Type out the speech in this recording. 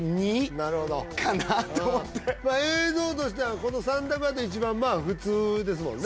なるほどかなと思ってまあ映像としてはこの三択やと一番まあ普通ですもんね